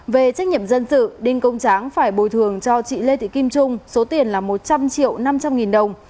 về trách nhiệm dân sự đinh công tráng phải bồi thường cho chị lê thị kim trung số tiền là một trăm linh triệu năm trăm linh nghìn đồng